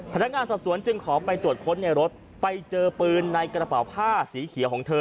พนักงานสอบสวนจึงขอไปตรวจค้นในรถไปเจอปืนในกระเป๋าผ้าสีเขียวของเธอ